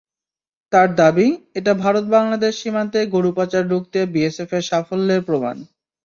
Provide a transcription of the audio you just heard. তাঁর দাবি, এটা ভারত-বাংলাদেশ সীমান্তে গরু পাচার রুখতে বিএসএফের সাফল্যের প্রমাণ।